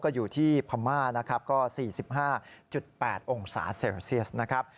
ก็อยู่ที่พม่า๔๕๘องศาเซลเซียส